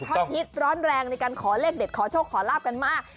ฮิตร้อนแรงในการขอเลขเด็ดขอโชคขอลาบกันมาก